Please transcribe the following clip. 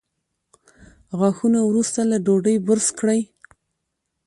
غاښونه وروسته له ډوډۍ برس کړئ